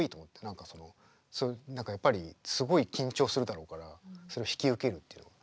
何かやっぱりすごい緊張するだろうからそれを引き受けるっていうのは。